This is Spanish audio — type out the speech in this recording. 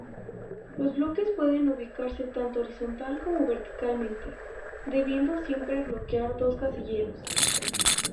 Los bloques pueden ubicarse tanto horizontal como verticalmente, debiendo siempre bloquear dos casilleros.